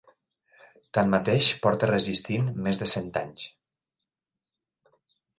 Tanmateix, porta resistint més de cent anys.